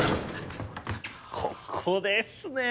ここですね！